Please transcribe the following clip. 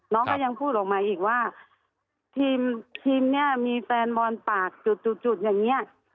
น้องก็ยังพูดออกมาอีกว่าทีมเนี่ยมีแฟนบอลปากจุดอย่างนี้